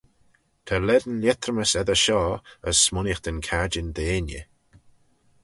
Ta lane lhietrymys eddyr shoh, as smooinaghtyn cadjin deiney.